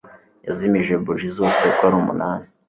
Yazimije buji zose uko ari umunani.